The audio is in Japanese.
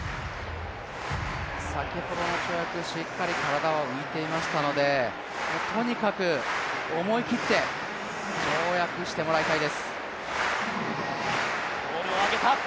先ほどの跳躍、しっかり体は浮いていましたので、とにかく思い切って跳躍してもらいたいです。